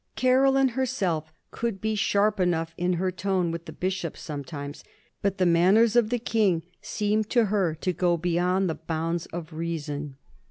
Caroline herself could be sharp enough in her tone with the bishops sometimes, but the manners of the King seemed to her to go beyond the bounds of reason.